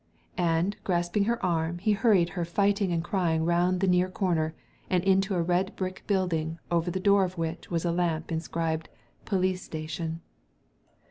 And, grasping >er arm, he hurried her fighting and crying round the near corner, and into a red brick building, over, the door of which was a lamp inscribed " Police Station."